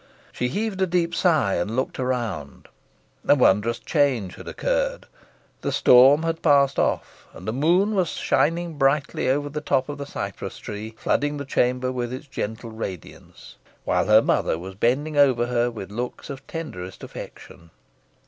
She heaved a deep sigh, and looked around. A wondrous change had occurred. The storm had passed off, and the moon was shining brightly over the top of the cypress tree, flooding the chamber with its gentle radiance, while her mother was bending over her with looks of tenderest affection.